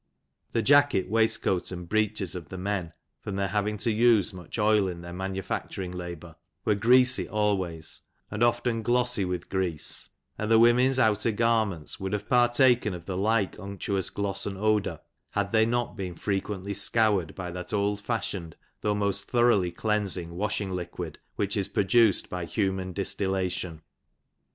The jacket, waistcoat, and breeches of the men, from their having to use much oil in their manu&cturing labour, were greasy always, and often glossy with grease, and the women's outer garments would have partaken of the like unctious gloss and odour, had they not been frequently scoured by that old feushioned, though most thoroughly cleansing washing liquid, which is produced by human distil lation.